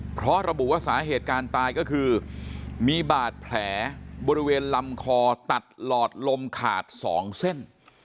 เพราะระบุว่าสาเหตุการณ์ตายก็คือมีบาดแผลบริเวณลำคอตัดหลอดลมขาด๒เส้น